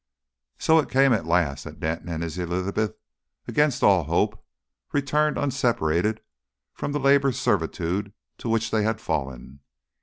So it came at last that Denton and his Elizabeth, against all hope, returned unseparated from the labour servitude to which they had fallen.